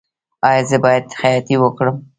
ایا زه باید خیاطۍ وکړم؟